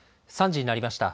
３時になりました。